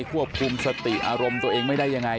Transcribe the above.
ควบคุมสติอารมณ์ตัวเองไม่ได้ยังไง